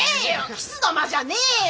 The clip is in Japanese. キスの間じゃねえよ！